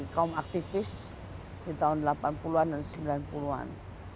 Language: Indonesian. kaum aktivis di tahun delapan puluh an dan sembilan puluh an